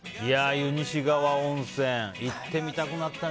湯西川温泉行ってみたくなったね。